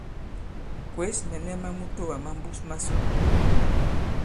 Kwěs mɛ̀nɛ ma mutoà ma mbus masò.